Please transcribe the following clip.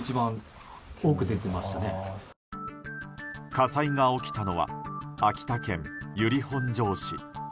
火災が起きたのは秋田県由利本荘市。